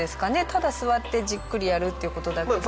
ただ座ってじっくりやるっていう事だけじゃなくて。